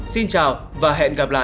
xin chào và hẹn gặp lại